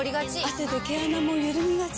汗で毛穴もゆるみがち。